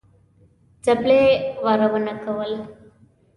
څپلۍ وارونه کول.